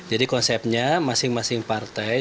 jadi konsepnya masing masing partai